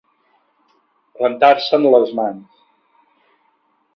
Rentar-se'n les mans.